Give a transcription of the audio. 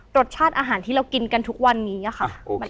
รสชาติอาหารที่เรากินกันทุกวันนี้ค่ะ